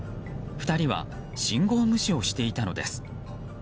２人は信号無視をしていたのです。